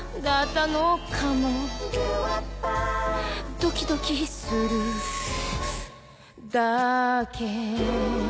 「ドキドキするだけ」